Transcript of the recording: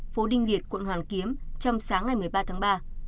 phố đinh nhiệt quận hoàn kiếm trong sáng ngày một mươi ba tháng ba